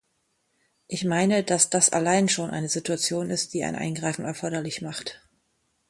Ich meine, dass das allein schon eine Situation ist, die ein Eingreifen erforderlich macht.